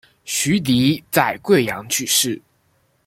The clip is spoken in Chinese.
徐的在桂阳去世。